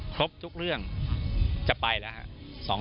ครบทุกเรื่องจะไปแล้วครับ